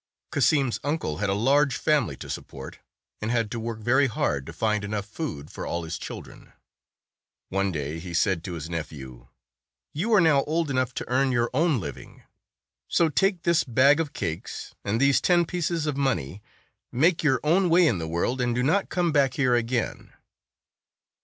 Cassim's uncle had a large family to support, and had to work very hard to find enough food for all his children. One day he said to his nephew, "You are now old enough to earn your own living; so take this bag of cakes and these ten pieces of money, make your own way in the world, and do not come back here again."